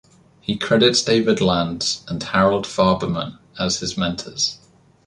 He credits David Landes and Harold Farberman as his mentors.